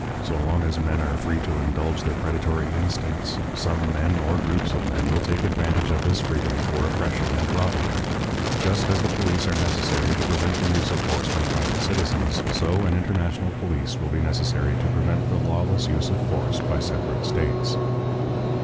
So long as men are free to indulge their predatory instincts, some men or groups of men will take advantage of this freedom for oppression and robbery. Just as the police are necessary to prevent the use of force by private citizens, so an international police will be necessary to prevent the lawless use of force by separate states.